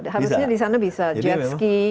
harusnya disana bisa jet ski